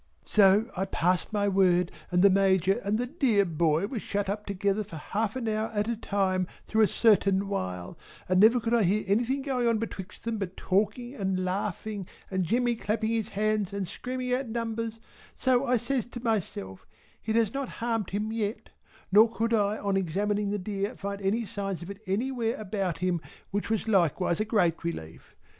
So I passed my word and the Major and the dear boy were shut up together for half an hour at a time through a certain while, and never could I hear anything going on betwixt them but talking and laughing and Jemmy clapping his hands and screaming out numbers, so I says to myself "it has not harmed him yet" nor could I on examining the dear find any signs of it anywhere about him which was likewise a great relief.